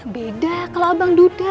beda kalau abang duda